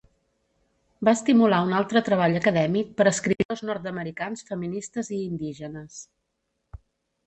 Va estimular un altre treball acadèmic per escriptors nord-americans feministes i indígenes.